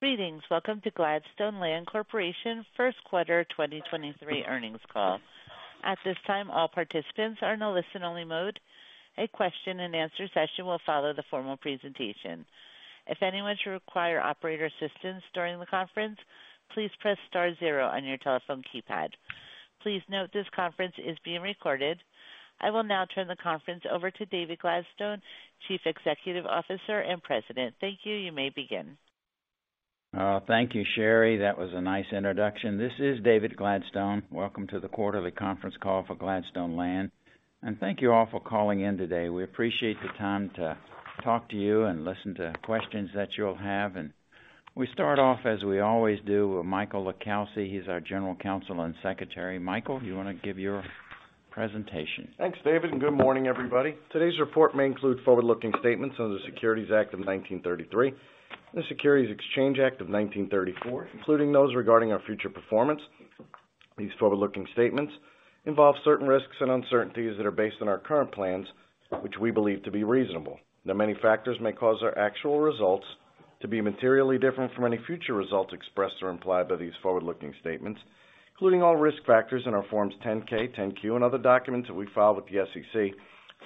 Greetings. Welcome to Gladstone Land Corporation first quarter 2023 earnings call. At this time, all participants are in a listen-only mode. A question-and-answer session will follow the formal presentation. If anyone should require operator assistance during the conference, please press star zero on your telephone keypad. Please note this conference is being recorded. I will now turn the conference over to David Gladstone, Chief Executive Officer and President. Thank you. You may begin. Thank you, Sherry. That was a nice introduction. This is David Gladstone. Welcome to the quarterly conference call for Gladstone Land. Thank you all for calling in today. We appreciate the time to talk to you and listen to questions that you'll have. We start off as we always do, with Michael LiCalsi. He's our General Counsel and Secretary. Michael, you wanna give your presentation? Thanks, David, good morning, everybody. Today's report may include forward-looking statements under the Securities Act of 1933, the Securities Exchange Act of 1934, including those regarding our future performance. These forward-looking statements involve certain risks and uncertainties that are based on our current plans, which we believe to be reasonable. Many factors may cause our actual results to be materially different from any future results expressed or implied by these forward-looking statements, including all risk factors in our Forms 10-K, 10-Q and other documents that we file with the SEC.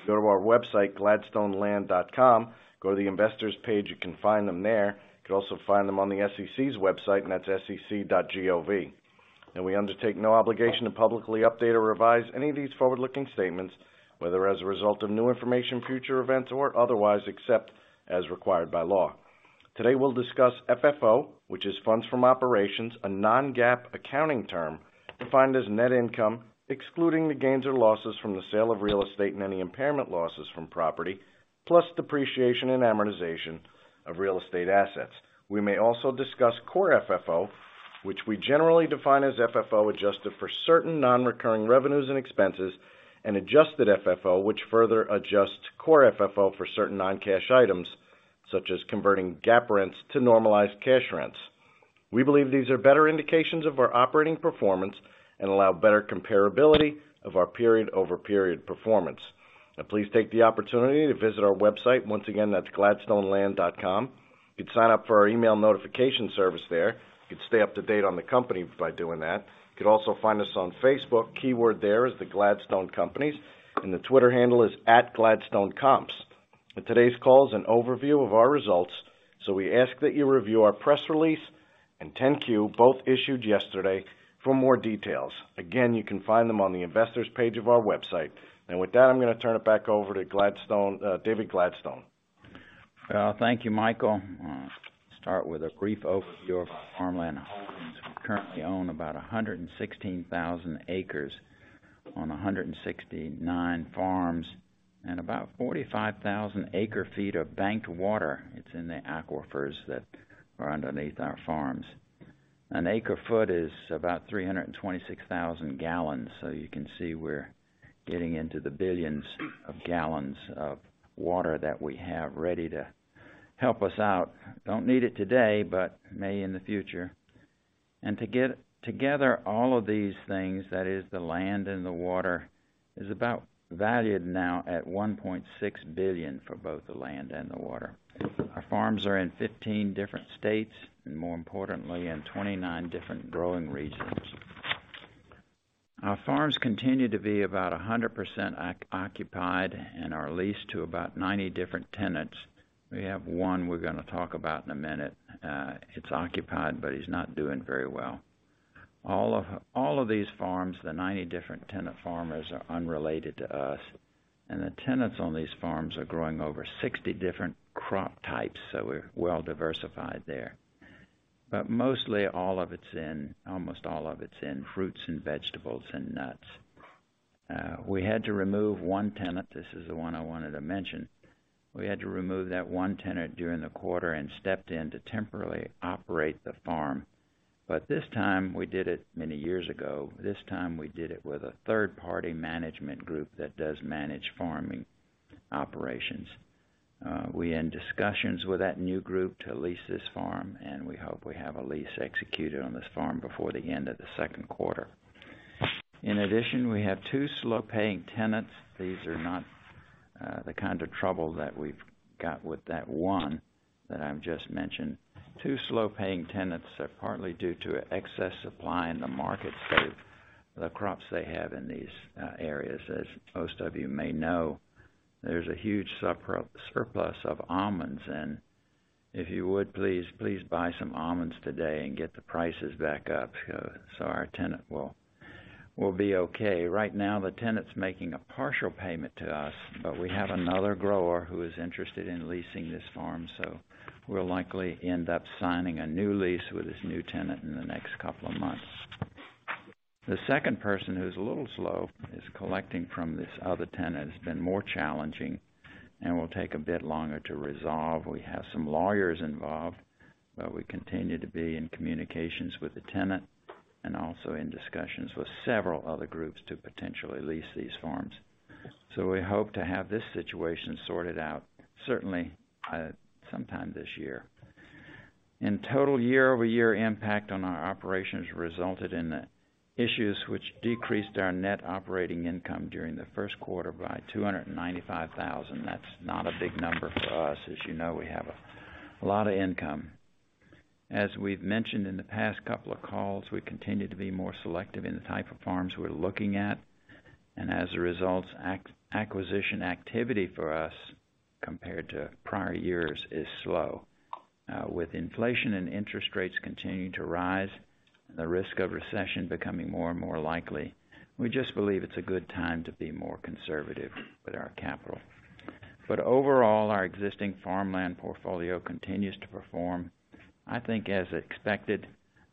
Go to our website, gladstoneland.com. Go to the Investors page, you can find them there. You can also find them on the SEC's website, that's sec.gov. We undertake no obligation to publicly update or revise any of these forward-looking statements, whether as a result of new information, future events, or otherwise, except as required by law. Today, we'll discuss FFO, which is funds from operations, a non-GAAP accounting term defined as net income, excluding the gains or losses from the sale of real estate and any impairment losses from property, plus depreciation and amortization of real estate assets. We may also discuss core FFO, which we generally define as FFO, adjusted for certain non-recurring revenues and expenses, and adjusted FFO, which further adjusts core FFO for certain non-cash items, such as converting GAAP rents to normalized cash rents. We believe these are better indications of our operating performance and allow better comparability of our period-over-period performance. Please take the opportunity to visit our website. Once again, that's gladstoneland.com. You can sign up for our email notification service there. You can stay up-to-date on the company by doing that. You can also find us on Facebook. Keyword there is the Gladstone Companies, the Twitter handle is @GladstoneComps. Today's call is an overview of our results, we ask that you review our press release and 10-Q, both issued yesterday, for more details. Again, you can find them on the Investors page of our website. With that, I'm gonna turn it back over to David Gladstone. Thank you, Michael. Start with a brief overview of our farmland holdings. We currently own about 116,000 acres on 169 farms and about 45,000 acre-feet of banked water. It's in the aquifers that are underneath our farms. An acre-foot is about 326,000 gallons, you can see we're getting into the billions of gallons of water that we have ready to help us out. Don't need it today, but may in the future. To get together all of these things, that is the land and the water, is about valued now at $1.6 billion for both the land and the water. Our farms are in 15 different states and more importantly, in 29 different growing regions. Our farms continue to be about 100% occupied and are leased to about 90 different tenants. We have one we're gonna talk about in a minute. It's occupied, but he's not doing very well. All of these farms, the 90 different tenant farmers are unrelated to us, and the tenants on these farms are growing over 60 different crop types, so we're well diversified there. Almost all of it's in fruits and vegetables and nuts. We had to remove one tenant. This is the one I wanted to mention. We had to remove that one tenant during the quarter and stepped in to temporarily operate the farm. This time, we did it many years ago. This time, we did it with a third-party management group that does manage farming operations. We're in discussions with that new group to lease this farm. We hope we have a lease executed on this farm before the end of the second quarter. In addition, we have two slow-paying tenants. These are not the kind of trouble that we've got with that one that I've just mentioned. Two slow-paying tenants are partly due to excess supply in the markets the crops they have in these areas. Most of you may know, there's a huge surplus of almonds. If you would please buy some almonds today and get the prices back up so our tenant will be okay. Right now, the tenant's making a partial payment to us. We have another grower who is interested in leasing this farm. We'll likely end up signing a new lease with this new tenant in the next couple of months. The second person, who's a little slow, is collecting from this other tenant. It's been more challenging and will take a bit longer to resolve. We have some lawyers involved. We continue to be in communications with the tenant and also in discussions with several other groups to potentially lease these farms. We hope to have this situation sorted out certainly sometime this year. In total, year-over-year impact on our operations resulted in issues which decreased our Net Operating Income during the first quarter by $295,000. That's not a big number for us. As you know, we have a lot of income. As we've mentioned in the past couple of calls, we continue to be more selective in the type of farms we're looking at. As a result, acquisition activity for us, compared to prior years, is slow. With inflation and interest rates continuing to rise and the risk of recession becoming more and more likely, we just believe it's a good time to be more conservative with our capital. Overall, our existing farmland portfolio continues to perform, I think, as expected,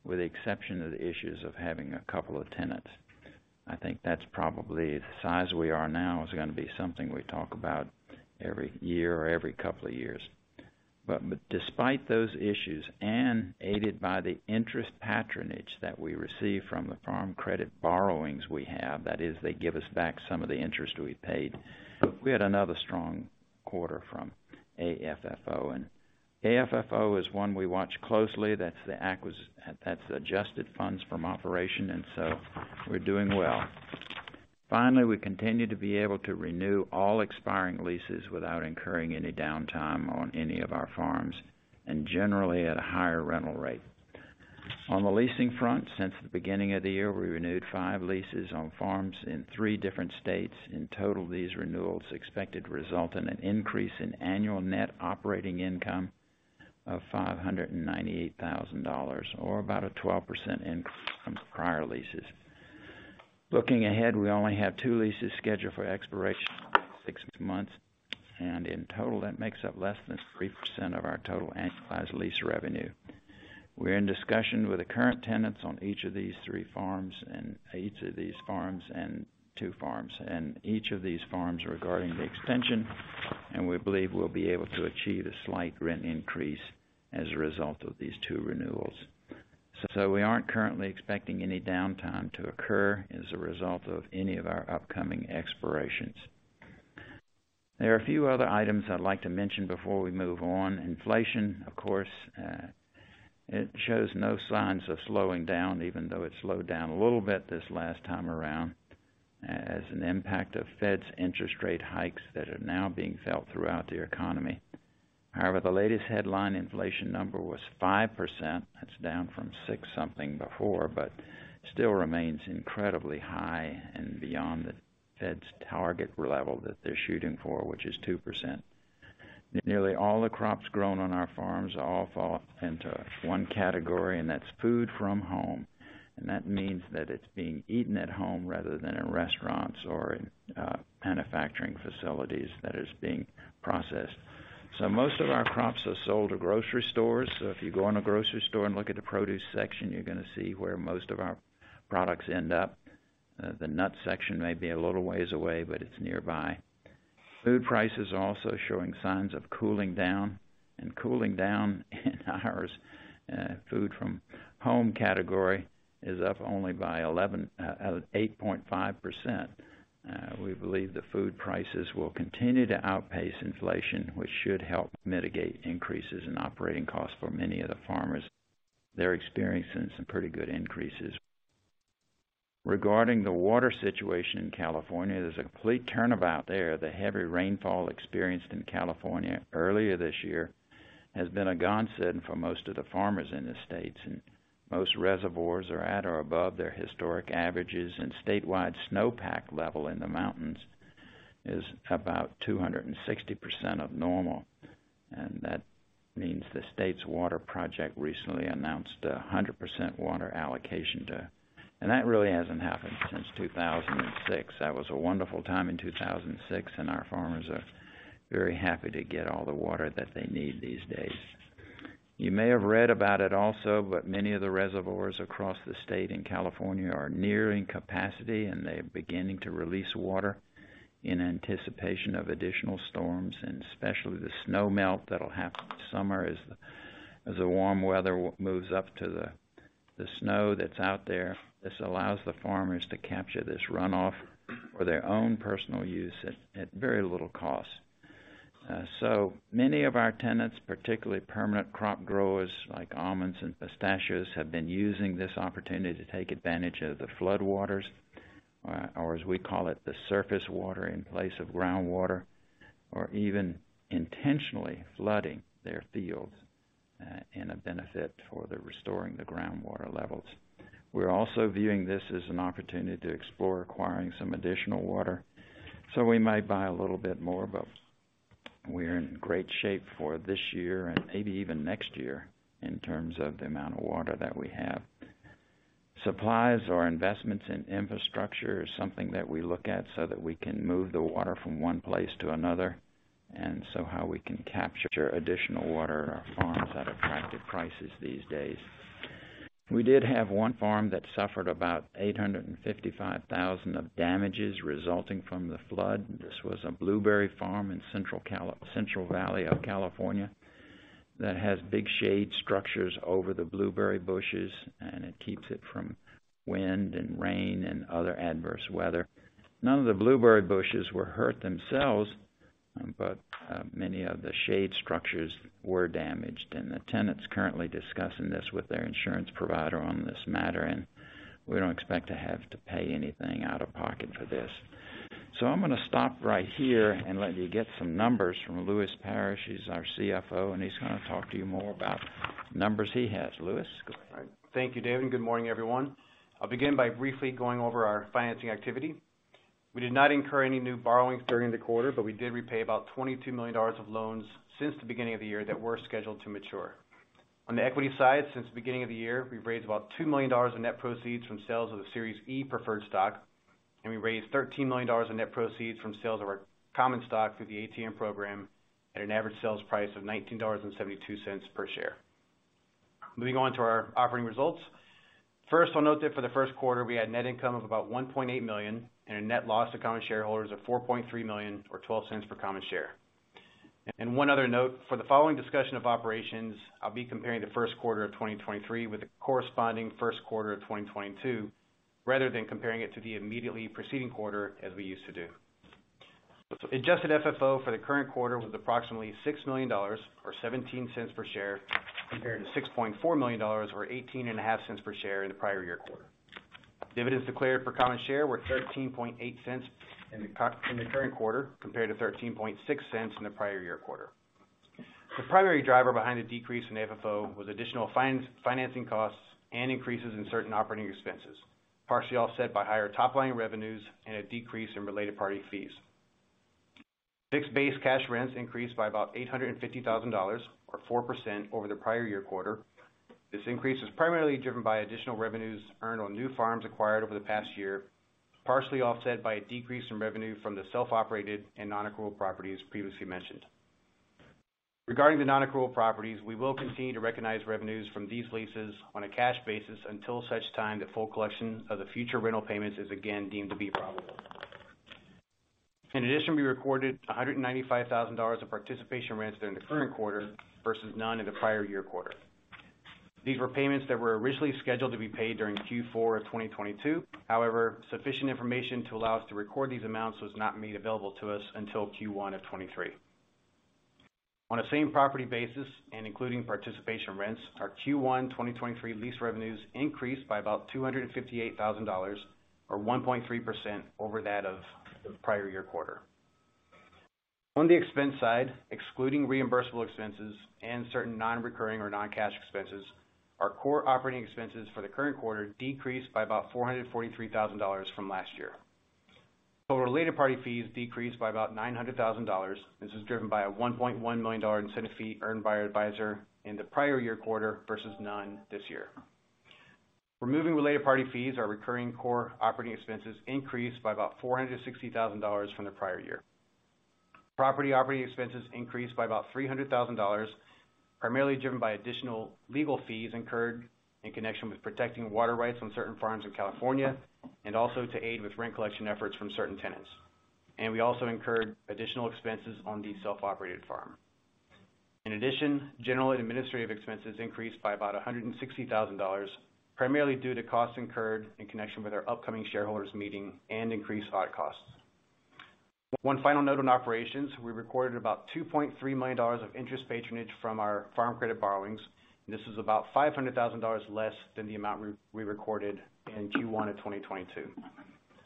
with the exception of the issues of having a couple of tenants. I think that's probably the size we are now is gonna be something we talk about every year or every couple of years. Despite those issues, and aided by the interest patronage that we receive from the Farm Credit borrowings we have, that is, they give us back some of the interest we paid, we had another strong quarter from AFFO. AFFO is one we watch closely. That's Adjusted Funds From Operation, and so we're doing well. Finally, we continue to be able to renew all expiring leases without incurring any downtime on any of our farms, and generally at a higher rental rate. On the leasing front, since the beginning of the year, we renewed five leases on farms in three different states. In total, these renewals expected result in an increase in annual Net Operating Income of $598,000 or about a 12% increase from prior leases. Looking ahead, we only have two leases scheduled for expiration in six months, and in total, that makes up less than 3% of our total annualized lease revenue. We're in discussion with the current tenants on each of these two farms regarding the extension, and we believe we'll be able to achieve a slight rent increase as a result of these two renewals. We aren't currently expecting any downtime to occur as a result of any of our upcoming expirations. There are a few other items I'd like to mention before we move on. Inflation, of course, it shows no signs of slowing down, even though it slowed down a little bit this last time around as an impact of Fed's interest rate hikes that are now being felt throughout the economy. The latest headline inflation number was 5%. That's down from six something before, but still remains incredibly high and beyond the Fed's target level that they're shooting for, which is 2%. Nearly all the crops grown on our farms all fall into one category, and that's food at home. That means that it's being eaten at home rather than in restaurants or in manufacturing facilities that is being processed. Most of our crops are sold to grocery stores. If you go in a grocery store and look at the produce section, you're gonna see where most of our products end up. The nut section may be a little ways away, but it's nearby. Food prices are also showing signs of cooling down, and cooling down in our food at home category is up only by 11, 8.5%. We believe the food prices will continue to outpace inflation, which should help mitigate increases in operating costs for many of the farmers. They're experiencing some pretty good increases. Regarding the water situation in California, there's a complete turnabout there. The heavy rainfall experienced in California earlier this year has been a godsend for most of the farmers in the states. Most reservoirs are at or above their historic averages, and statewide snowpack level in the mountains is about 260% of normal. That means the state's water project recently announced a 100% water allocation to... That really hasn't happened since 2006. That was a wonderful time in 2006, and our farmers are very happy to get all the water that they need these days. You may have read about it also, but many of the reservoirs across the state in California are nearing capacity, and they're beginning to release water in anticipation of additional storms, and especially the snow melt that'll happen this summer as the warm weather moves up to the snow that's out there. This allows the farmers to capture this runoff for their own personal use at very little cost. Many of our tenants, particularly permanent crop growers, like almonds and pistachios, have been using this opportunity to take advantage of the floodwaters, or as we call it, the surface water in place of groundwater, or even intentionally flooding their fields, in a benefit for the restoring the groundwater levels. We're also viewing this as an opportunity to explore acquiring some additional water. We might buy a little bit more. We're in great shape for this year and maybe even next year in terms of the amount of water that we have. Supplies or investments in infrastructure is something that we look at so that we can move the water from one place to another. How we can capture additional water on our farms at attractive prices these days. We did have one farm that suffered about $855,000 of damages resulting from the flood. This was a blueberry farm in Central Valley of California that has big shade structures over the blueberry bushes, it keeps it from wind and rain and other adverse weather. None of the blueberry bushes were hurt themselves. Many of the shade structures were damaged, the tenant's currently discussing this with their insurance provider on this matter, we don't expect to have to pay anything out of pocket for this. I'm gonna stop right here and let you get some numbers from Lewis Parrish. He's our CFO, he's gonna talk to you more about numbers he has. Lewis, go ahead. All right. Thank you, David. Good morning, everyone. I'll begin by briefly going over our financing activity. We did not incur any new borrowings during the quarter, but we did repay about $22 million of loans since the beginning of the year that were scheduled to mature. On the equity side, since the beginning of the year, we've raised about $2 million in net proceeds from sales of the Series E Preferred Stock, and we raised $13 million in net proceeds from sales of our common stock through the ATM program at an average sales price of $19.72 per share. Moving on to our operating results. First, I'll note that for the first quarter we had net income of about $1.8 million and a net loss to common shareholders of $4.3 million or $0.12 per common share. One other note, for the following discussion of operations, I'll be comparing the first quarter of 2023 with the corresponding first quarter of 2022, rather than comparing it to the immediately preceding quarter as we used to do. Adjusted FFO for the current quarter was approximately $6 million or $0.17 per share, compared to $6.4 million or $0.185 per share in the prior year quarter. Dividends declared for common share were $0.138 in the current quarter, compared to $0.136 in the prior year quarter. The primary driver behind the decrease in the FFO was additional financing costs and increases in certain operating expenses, partially offset by higher top-line revenues and a decrease in related party fees. Fixed-base cash rents increased by about $850,000 or 4% over the prior year quarter. This increase was primarily driven by additional revenues earned on new farms acquired over the past year, partially offset by a decrease in revenue from the self-operated and non-accrual properties previously mentioned. Regarding the non-accrual properties, we will continue to recognize revenues from these leases on a cash basis until such time that full collection of the future rental payments is again deemed to be probable. We recorded $195,000 of participation rents during the current quarter versus none in the prior year quarter. These were payments that were originally scheduled to be paid during Q4 of 2022. Sufficient information to allow us to record these amounts was not made available to us until Q1 of 2023. On a same property basis and including participation rents, our Q1 2023 lease revenues increased by about $258,000 or 1.3% over that of the prior year quarter. On the expense side, excluding reimbursable expenses and certain non-recurring or non-cash expenses, our core operating expenses for the current quarter decreased by about $443,000 from last year. Total related party fees decreased by about $900,000. This is driven by a $1.1 million incentive fee earned by our advisor in the prior year quarter versus none this year. Removing related party fees, our recurring core operating expenses increased by about $460,000 from the prior year. Property operating expenses increased by about $300,000, primarily driven by additional legal fees incurred in connection with protecting water rights on certain farms in California and also to aid with rent collection efforts from certain tenants. We also incurred additional expenses on the self-operated farm. In addition, general and administrative expenses increased by about $160,000, primarily due to costs incurred in connection with our upcoming shareholders meeting and increased audit costs. One final note on operations, we recorded about $2.3 million of interest patronage from our Farm Credit borrowings. This is about $500,000 less than the amount we recorded in Q1 of 2022.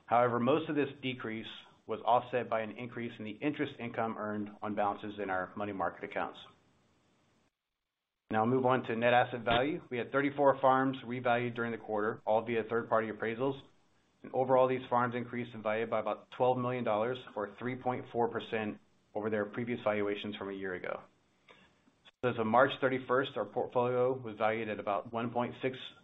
However, most of this decrease was offset by an increase in the interest income earned on balances in our money market accounts. Moving on to net asset value. We had 34 farms revalued during the quarter, all via third-party appraisals. Overall, these farms increased in value by about $12 million or 3.4% over their previous valuations from a year ago. As of March 31st, our portfolio was valued at about $1.6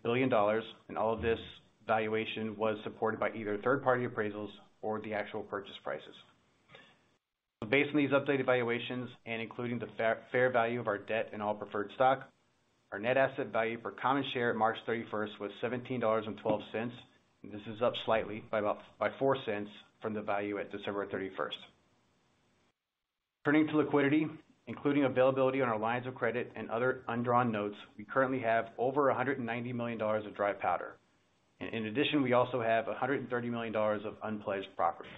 billion, and all of this valuation was supported by either third-party appraisals or the actual purchase prices. Based on these updated valuations, and including the fair value of our debt and all preferred stock, our net asset value per common share at March 31st was $17.12. This is up slightly by about $0.04 from the value at December 31st. Turning to liquidity, including availability on our lines of credit and other undrawn notes, we currently have over $190 million of dry powder. In addition, we also have $130 million of unpledged properties.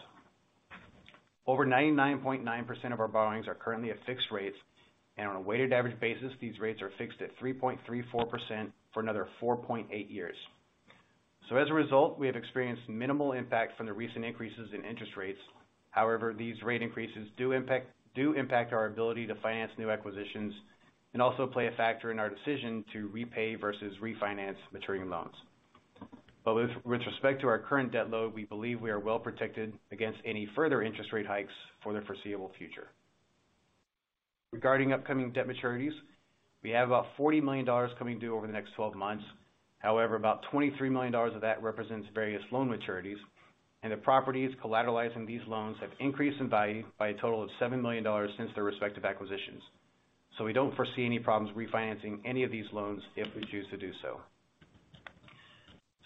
Over 99.9% of our borrowings are currently at fixed rates, and on a weighted average basis, these rates are fixed at 3.34% for another 4.8 years. As a result, we have experienced minimal impact from the recent increases in interest rates. However, these rate increases do impact our ability to finance new acquisitions and also play a factor in our decision to repay versus refinance maturing loans. With respect to our current debt load, we believe we are well protected against any further interest rate hikes for the foreseeable future. Regarding upcoming debt maturities, we have about $40 million coming due over the next 12 months. However, about $23 million of that represents various loan maturities, and the properties collateralizing these loans have increased in value by a total of $7 million since their respective acquisitions. We don't foresee any problems refinancing any of these loans if we choose to do so.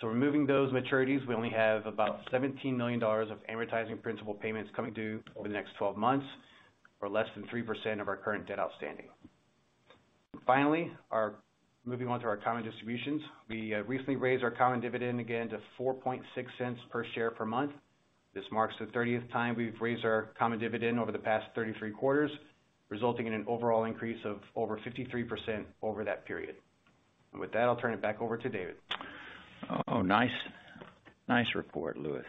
Removing those maturities, we only have about $17 million of amortizing principal payments coming due over the next 12 months, or less than 3% of our current debt outstanding. Finally, moving on to our common distributions. We recently raised our common dividend again to $0.046 per share per month. This marks the 30th time we've raised our common dividend over the past 33 quarters, resulting in an overall increase of over 53% over that period. With that, I'll turn it back over to David. Nice, nice report, Lewis.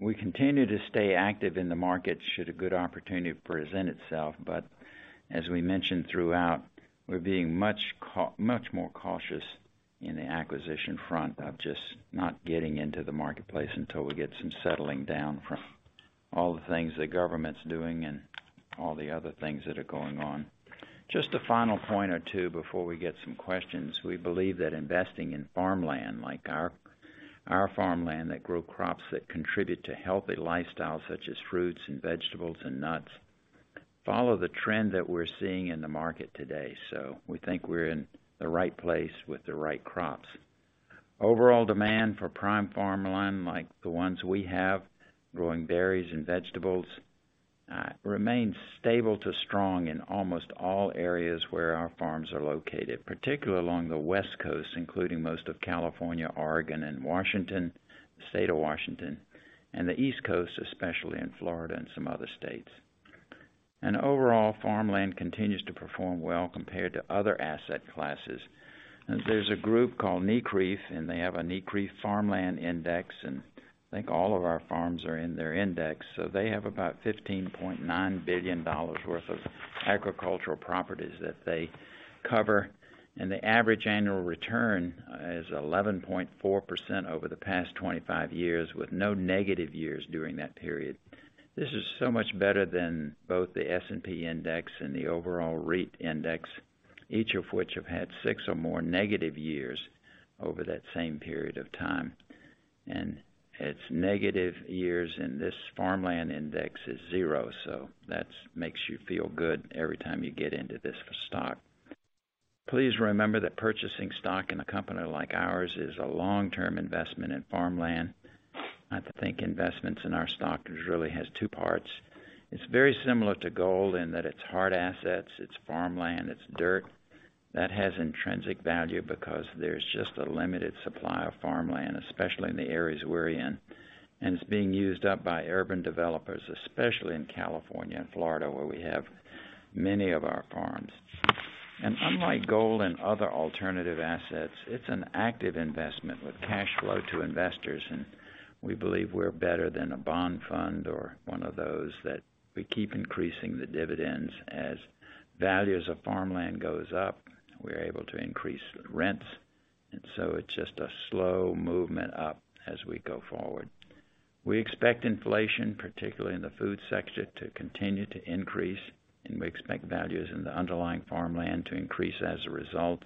We continue to stay active in the market should a good opportunity present itself, but as we mentioned throughout, we're being much more cautious in the acquisition front of just not getting into the marketplace until we get some settling down from all the things the government's doing and all the other things that are going on. Just a final point or two before we get some questions. We believe that investing in farmland, like our farmland that grow crops that contribute to healthy lifestyles such as fruits and vegetables and nuts, follow the trend that we're seeing in the market today. We think we're in the right place with the right crops. Overall demand for prime farmland, like the ones we have, growing berries and vegetables, remains stable to strong in almost all areas where our farms are located, particularly along the West Coast, including most of California, Oregon, and Washington, the state of Washington, and the East Coast, especially in Florida and some other states. Overall, farmland continues to perform well compared to other asset classes. There's a group called NCREIF. They have a NCREIF Farmland Index. I think all of our farms are in their index. They have about $15.9 billion worth of agricultural properties that they cover. The average annual return is 11.4% over the past 25 years, with no negative years during that period. This is so much better than both the S&P index and the overall REIT index, each of which have had six or more negative years over that same period of time. Its negative years in this Farmland Index is zero, so that's makes you feel good every time you get into this stock. Please remember that purchasing stock in a company like ours is a long-term investment in farmland. I think investments in our stock is really has two parts. It's very similar to gold in that it's hard assets, it's farmland, it's dirt. That has intrinsic value because there's just a limited supply of farmland, especially in the areas we're in. It's being used up by urban developers, especially in California and Florida, where we have many of our farms. Unlike gold and other alternative assets, it's an active investment with cash flow to investors, and we believe we're better than a bond fund or one of those that we keep increasing the dividends. As values of farmland goes up, we're able to increase rents, and so it's just a slow movement up as we go forward. We expect inflation, particularly in the food sector, to continue to increase, and we expect values in the underlying farmland to increase as a result.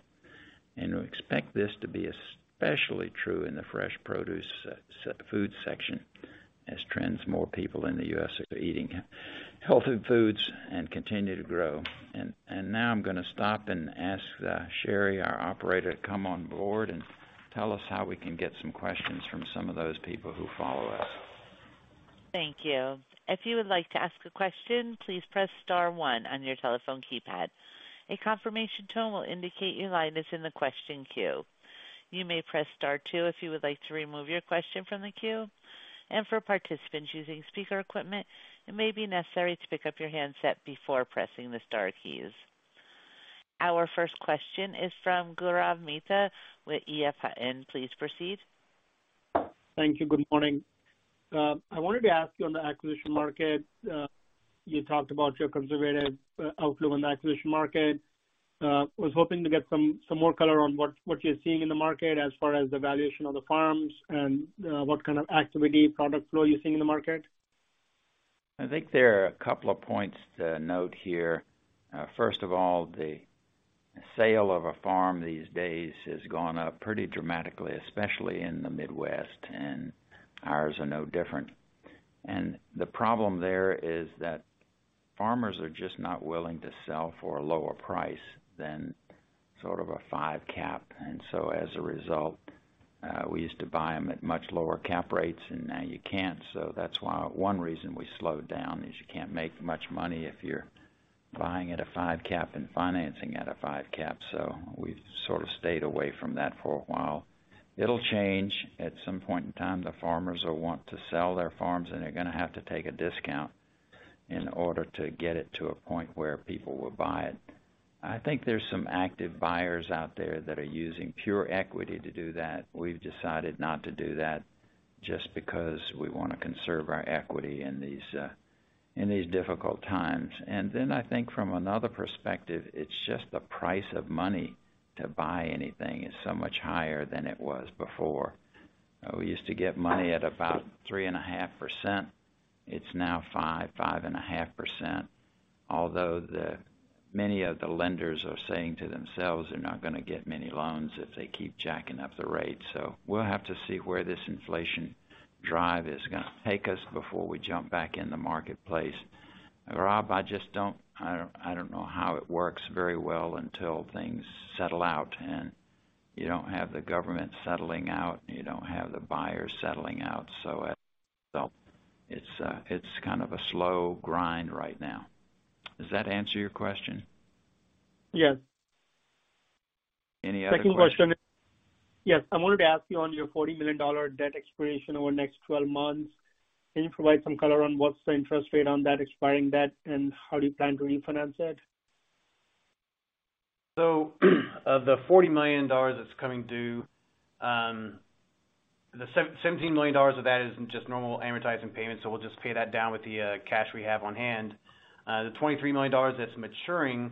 We expect this to be especially true in the fresh produce, seafood section as trends, more people in the U.S. are eating healthy foods and continue to grow. Now I'm gonna stop and ask Sherry, our operator, to come on board and tell us how we can get some questions from some of those people who follow us. Thank you. If you would like to ask a question, please press star one on your telephone keypad. A confirmation tone will indicate your line is in the question queue. You may press star two if you would like to remove your question from the queue. For participants using speaker equipment, it may be necessary to pick up your handset before pressing the star keys. Our first question is from Gaurav Mehta with EF Hutton. Please proceed. Thank you. Good morning. I wanted to ask you on the acquisition market, you talked about your conservative outlook on the acquisition market. Was hoping to get some more color on what you're seeing in the market as far as the valuation of the farms and what kind of activity, product flow you're seeing in the market. I think there are a couple of points to note here. First of all, the sale of a farm these days has gone up pretty dramatically, especially in the Midwest, and ours are no different. The problem there is that farmers are just not willing to sell for a lower price than sort of a five cap. As a result, we used to buy them at much lower cap rates and now you can't. That's why one reason we slowed down is you can't make much money if you're buying at a five cap and financing at a five cap. It'll change. At some point in time, the farmers will want to sell their farms and they're gonna have to take a discount in order to get it to a point where people will buy it. I think there's some active buyers out there that are using pure equity to do that. We've decided not to do that just because we wanna conserve our equity in these difficult times. I think from another perspective, it's just the price of money to buy anything is so much higher than it was before. We used to get money at about 3.5%. It's now 5%, 5.5%. Although many of the lenders are saying to themselves they're not gonna get many loans if they keep jacking up the rates. We'll have to see where this inflation drive is gonna take us before we jump back in the marketplace. Gaurav, I just don't know how it works very well until things settle out and you don't have the government settling out, and you don't have the buyers settling out, so. It's kind of a slow grind right now. Does that answer your question? Yes. Any other questions? Second question. Yes. I wanted to ask you on your $40 million dollar debt expiration over the next 12 months, can you provide some color on what's the interest rate on that expiring debt, and how do you plan to refinance it? Of the $40 million that's coming due, the $17 million of that is just normal amortizing payments, so we'll just pay that down with the cash we have on hand. The $23 million that's maturing,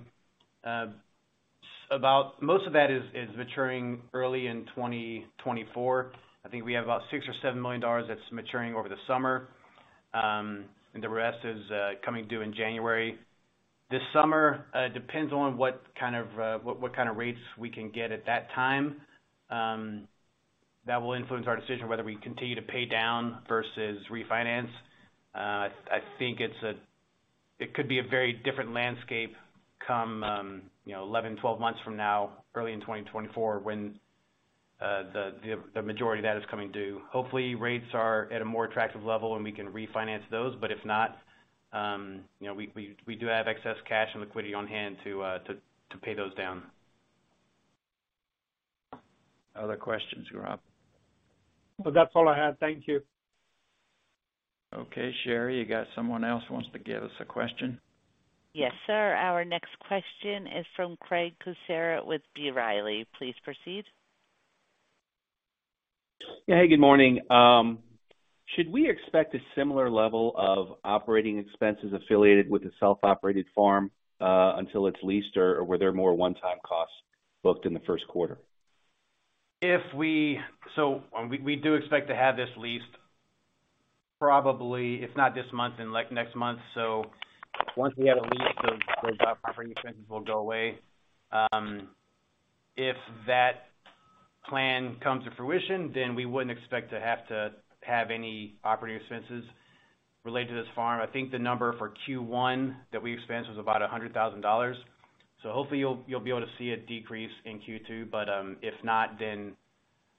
most of that is maturing early in 2024. I think we have about $6 million or $7 million that's maturing over the summer, and the rest is coming due in January. This summer, depends on what kind of rates we can get at that time. That will influence our decision whether we continue to pay down versus refinance. I think it could be a very different landscape come, you know, 11, 12 months from now, early in 2024 when the majority of that is coming due. Hopefully, rates are at a more attractive level and we can refinance those. If not, you know, we do have excess cash and liquidity on hand to pay those down. Other questions, Gaurav? That's all I had. Thank you. Okay, Sherry, you got someone else who wants to give us a question? Yes, sir. Our next question is from Craig Kucera with B. Riley. Please proceed. Hey, good morning. Should we expect a similar level of operating expenses affiliated with the self-operated farm, until it's leased, or were there more one-time costs booked in the first quarter? We do expect to have this leased probably, if not this month, then, like, next month. Once we have it leased, those operating expenses will go away. If that plan comes to fruition, then we wouldn't expect to have any operating expenses related to this farm. I think the number for Q1 that we expensed was about $100,000. Hopefully you'll be able to see a decrease in Q2, but if not, then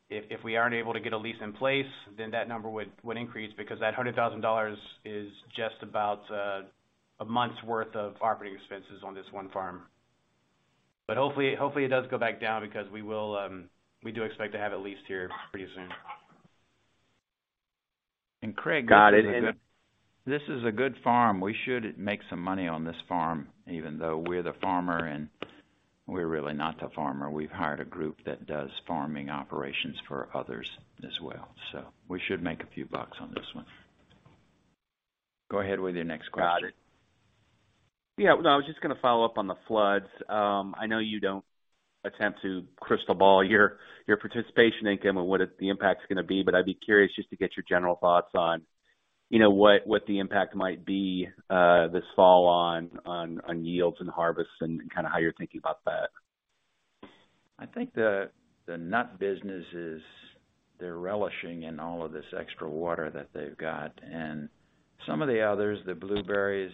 if we aren't able to get a lease in place, then that number would increase because that $100,000 is just about a month's worth of operating expenses on this one farm. Hopefully it does go back down because we will, we do expect to have it leased here pretty soon. Craig, this is a. Got it. This is a good farm. We should make some money on this farm, even though we're the farmer, and we're really not the farmer. We've hired a group that does farming operations for others as well. We should make a few bucks on this one. Go ahead with your next question. Got it. Yeah. I was just going to follow up on the floods. I know you don't attempt to crystal ball your participation income and what the impact's going to be, but I'd be curious just to get your general thoughts on, you know, what the impact might be this fall on yields and harvests and kind of how you're thinking about that. I think the nut business is they're relishing in all of this extra water that they've got. Some of the others, the blueberries,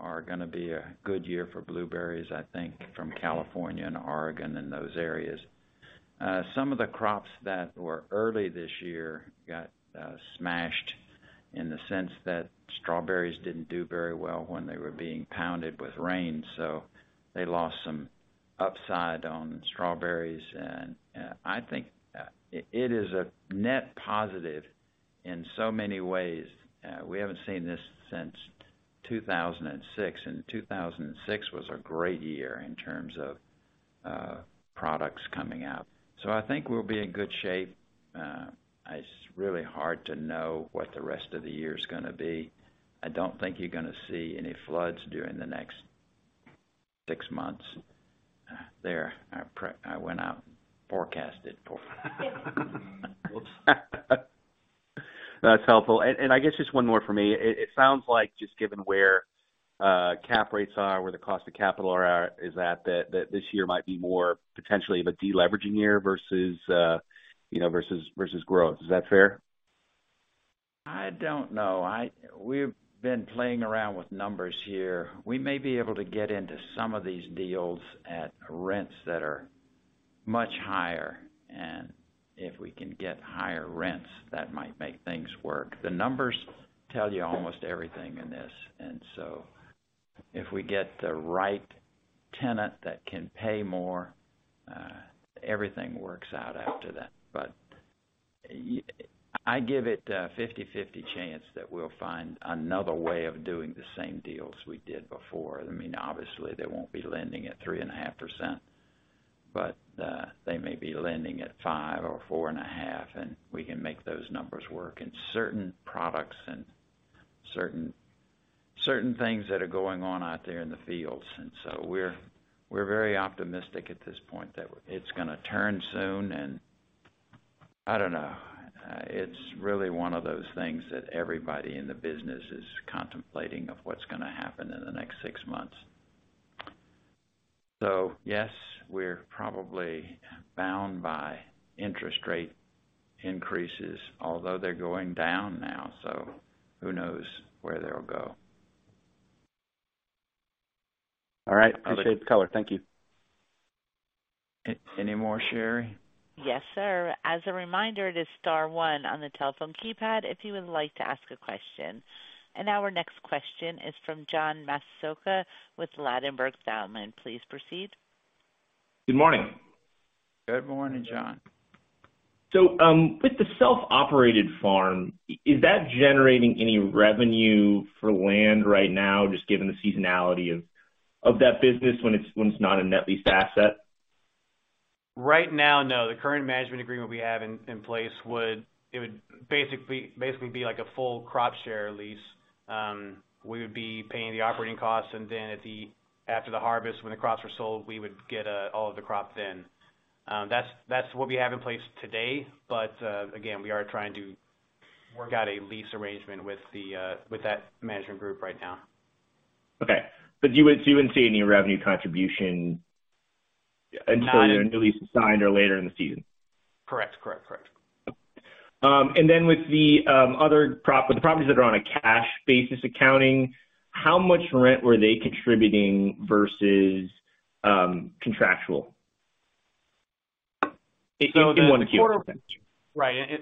are gonna be a good year for blueberries, I think, from California and Oregon and those areas. Some of the crops that were early this year got smashed in the sense that strawberries didn't do very well when they were being pounded with rain, so they lost some upside on strawberries. I think it is a net positive in so many ways. We haven't seen this since 2006. 2006 was a great year in terms of products coming out. I think we'll be in good shape. It's really hard to know what the rest of the year's gonna be. I don't think you're gonna see any floods during the next six months. There, I went out and forecasted. Whoops. That's helpful. I guess just one more for me. It sounds like just given where cap rates are, where the cost of capital is at that this year might be more potentially of a deleveraging year versus, you know, growth. Is that fair? I don't know. We've been playing around with numbers here. We may be able to get into some of these deals at rents that are much higher, and if we can get higher rents, that might make things work. The numbers tell you almost everything in this. If we get the right tenant that can pay more, everything works out after that. I give it a 50/50 chance that we'll find another way of doing the same deals we did before. I mean, obviously, they won't be lending at 3.5%, but they may be lending at five or 4.5, and we can make those numbers work in certain products and certain things that are going on out there in the fields. We're very optimistic at this point that it's gonna turn soon, and I don't know. It's really one of those things that everybody in the business is contemplating of what's gonna happen in the next six months. Yes, we're probably bound by interest rate increases, although they're going down now, so who knows where they'll go. All right. Appreciate the color. Thank you. Any more, Sherry? Yes, sir. As a reminder, it is star one on the telephone keypad if you would like to ask a question. Our next question is from John Massocca with Ladenburg Thalmann. Please proceed. Good morning. Good morning, John. With the self-operated farm, is that generating any revenue for land right now, just given the seasonality of that business when it's not a net leased asset? Right now, no. The current management agreement we have in place would... It would basically be like a full crop share lease. We would be paying the operating costs, and then after the harvest, when the crops were sold, we would get all of the crops in. That's what we have in place today. Again, we are trying to work out a lease arrangement with that management group right now. Okay. You wouldn't see any revenue contribution- Not- until your new lease is signed or later in the season. Correct. Correct. Correct. With the properties that are on a cash basis accounting, how much rent were they contributing versus contractual? In 1Q. Right.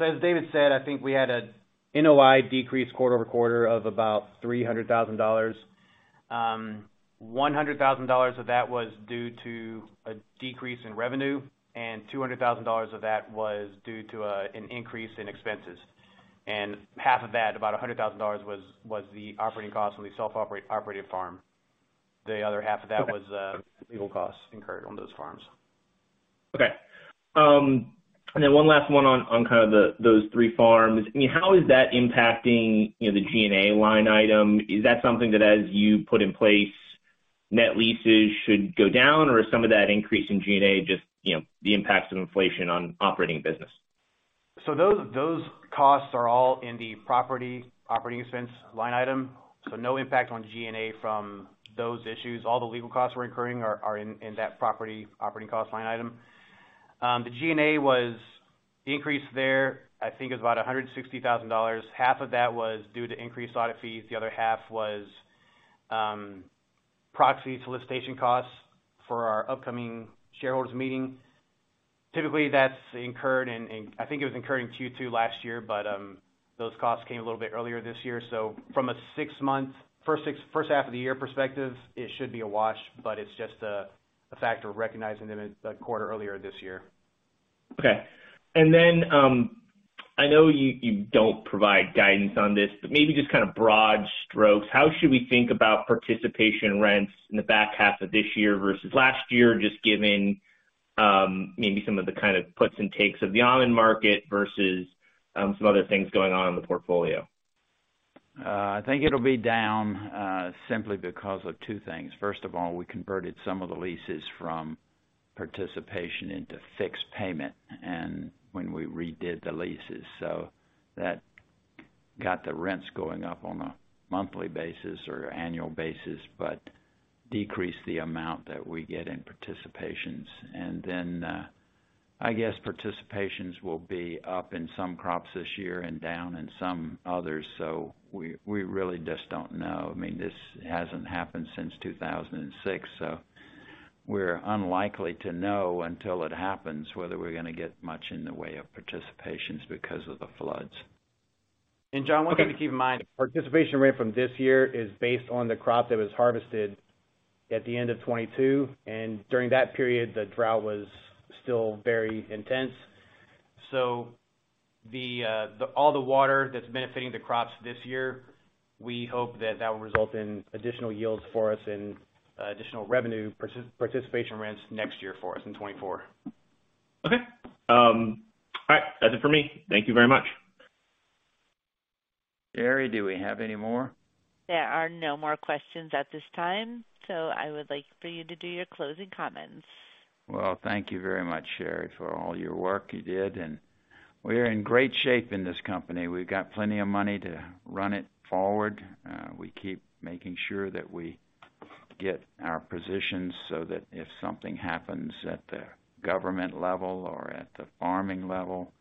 As David said, I think we had a NOI decrease quarter-over-quarter of about $300,000. $100,000 of that was due to a decrease in revenue, and $200,000 of that was due to an increase in expenses. half of that, about $100,000 was the operating cost of the operated farm. The other half of that was legal costs incurred on those farms. Okay. One last one on kind of those three farms. I mean, how is that impacting, you know, the G&A line item? Is that something that, as you put in place net leases should go down or is some of that increase in G&A, just, you know, the impacts of inflation on operating business? Those costs are all in the property operating expense line item, so no impact on G&A from those issues. All the legal costs we're incurring are in that property operating cost line item. The G&A was increased there, I think it was about $160,000. Half of that was due to increased audit fees. The other half was proxy solicitation costs for our upcoming shareholders meeting. Typically, that's incurred in, I think it was incurred in Q2 last year, but those costs came a little bit earlier this year. From a six-month, first half of the year perspective, it should be a wash, but it's just a factor of recognizing them a quarter earlier this year. Okay. I know you don't provide guidance on this, but maybe just kind of broad strokes, how should we think about participation rents in the back half of this year versus last year, just given, maybe some of the kind of puts and takes of the almond market versus, some other things going on in the portfolio? I think it'll be down, simply because of two things. First of all, we converted some of the leases from participation into fixed payment and when we redid the leases. That got the rents going up on a monthly basis or annual basis, but decreased the amount that we get in participations. Then, I guess participations will be up in some crops this year and down in some others. We really just don't know. I mean, this hasn't happened since 2006, so we're unlikely to know until it happens, whether we're gonna get much in the way of participations because of the floods. John, one thing to keep in mind, participation rent from this year is based on the crop that was harvested at the end of 22, and during that period, the drought was still very intense. The all the water that's benefiting the crops this year, we hope that that will result in additional yields for us and additional revenue participation rents next year for us in 24. Okay. All right. That's it for me. Thank you very much. Sherry, do we have any more? There are no more questions at this time. I would like for you to do your closing comments. Thank you very much, Sherry, for all your work you did. We're in great shape in this company. We've got plenty of money to run it forward. We keep making sure that we get our positions so that if something happens at the government level or at the farming level,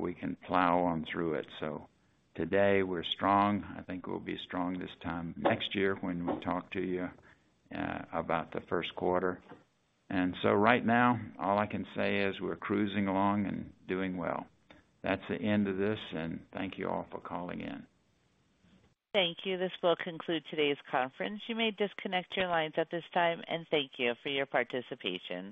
we can plow on through it. Today we're strong. I think we'll be strong this time next year when we talk to you about the first quarter. Right now, all I can say is we're cruising along and doing well. That's the end of this, and thank you all for calling in. Thank you. This will conclude today's conference. You may disconnect your lines at this time. Thank you for your participation.